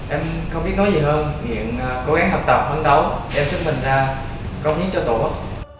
em không biết nói gì hơn nghiện cố gắng học tập phấn đấu em xin mình ra công nghiệp cho tổ quốc